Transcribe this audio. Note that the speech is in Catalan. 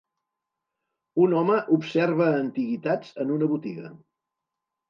Un home observa antiguitats en una botiga.